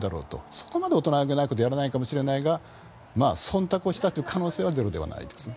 そこまで大人げないことをやらないかもしれないが忖度をしたという可能性はゼロではないです。